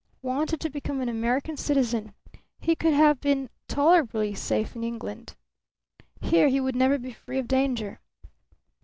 Wanted to become an American citizen. He would have been tolerably safe in England. Here he would never be free of danger.